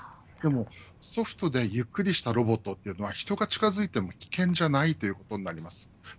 でもソフトでゆっくりとしたロボットは人が近づいても危険ではないということになります。